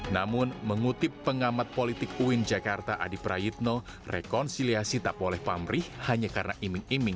namun mengutip pengamat politik uin jakarta adi prayitno rekonsiliasi tak boleh pamrih hanya karena iming iming